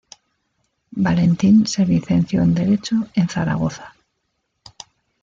Valentín se licenció en Derecho en Zaragoza.